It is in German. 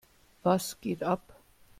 Was geht ab?